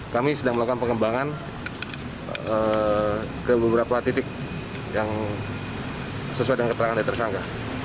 kami sedang melakukan pengembangan ke beberapa titik yang sesuai dengan keterangan dari tersangka